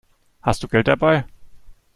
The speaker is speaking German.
Hast du Geld dabei?